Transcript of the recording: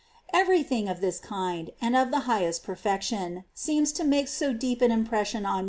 21. Every thing of this kind, and of the highest perfection, seems to make so deep an impression on ^e"worid.